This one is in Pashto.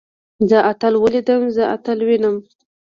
زه اتل وليدلم. زه اتل وينم.